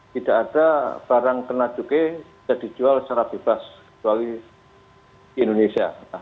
tidak ada barang kena cukai bisa dijual secara bebas kecuali di indonesia